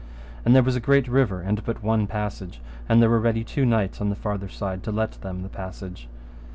And there was a great river and but one passage, and there were ready two knights on the farther side to let them the passage.